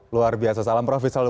luar biasa salam profit selalu